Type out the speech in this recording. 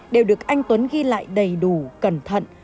đều được anh tuấn ghi lại đầy đủ cẩn thận